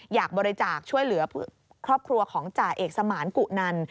อยากบริจาคช่วยเหลือครอบครัวของจ่าเอกสมานกุนัน